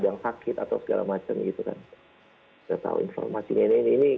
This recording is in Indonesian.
saya tahu informasinya ini